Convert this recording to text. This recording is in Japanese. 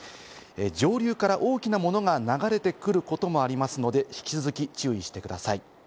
上流から大きなものが流れてくることもありますので、引き続き注意してください。